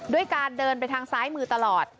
ด้วยการเดินไปทางซ้ายมือตลอด